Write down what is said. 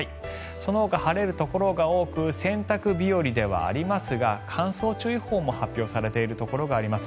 そのほか晴れるところが多く洗濯日和ではありますが乾燥注意報も発表されているところがあります。